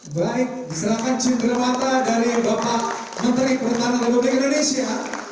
baik selamat cenderamata dari bapak menteri pertama republik indonesia